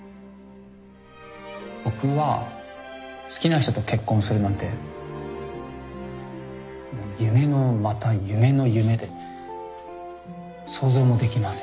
僕は好きな人と結婚するなんてもう夢のまた夢の夢で想像もできません。